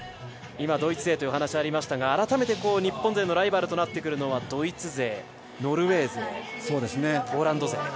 今ドイツ勢という話がありましたが、日本のライバルとなってくるのはドイツ勢、ノルウェー勢、ポーランド勢。